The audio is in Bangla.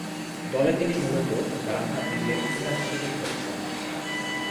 দলে তিনি মূলতঃ ডানহাতি লেগ-স্পিনার হিসেবে খেলছেন।